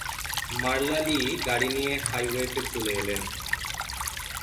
মারলা Lee গাড়ি নিয়ে হাইওয়েতে চলে এলেন।